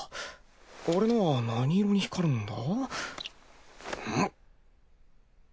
俺のは何色に光るんだ？